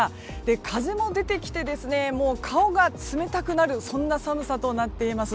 風も出てきて顔が冷たくなるそんな寒さとなっています。